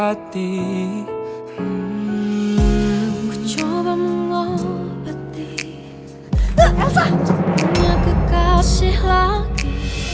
aku punya kekasih lagi